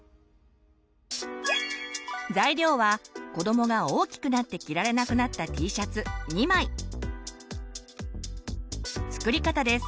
材料はこどもが大きくなって着られなくなった作り方です。